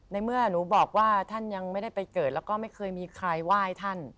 ในเมื่อหนูบอกว่าท่านยังไม่ได้ไปเกิดแล้วก็ไม่เคยมีใครไหว้ท่าน